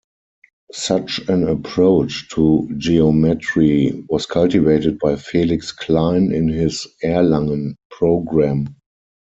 Such an approach to geometry was cultivated by Felix Klein in his Erlangen program.